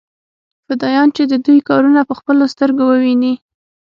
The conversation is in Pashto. فدايان چې د دوى کارونه په خپلو سترګو وويني.